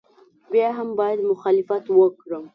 بیا هم باید مخالفت وکړم.